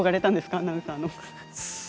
アナウンサーの。